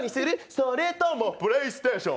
それとも、プレイステーション？